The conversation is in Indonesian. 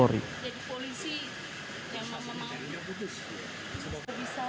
jadi polisi yang memang bisa yang ini kamu